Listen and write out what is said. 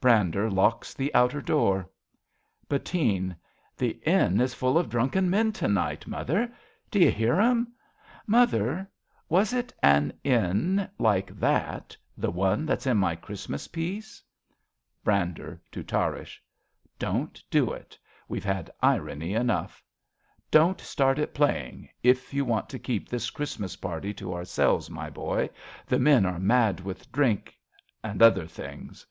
Brander locks the outer door.) Bettine. The inn is full of drunken men to night, Mother. D' you hear them ? Mother, was it an inn Like that — the one that's in my Christ mas piece ? Brander {to Tarrasch). Don't do it, we've had irony enough. E 49 RADA Don't start it playing, if you want t< keep This Christmas party to ourselves, m; boy. The men are mad with drink, and other things.